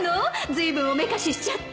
ずいぶんおめかししちゃって